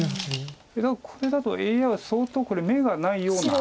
これだとＡＩは相当眼がないような。